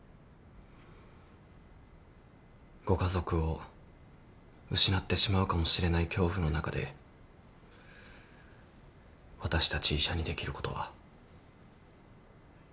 ご家族を失ってしまうかもしれない恐怖の中で私たち医者にできることはほとんどないのかもしれません。